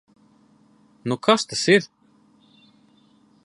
Nu kas tas ir?